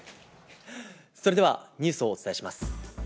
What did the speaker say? それではニュースをお伝えします。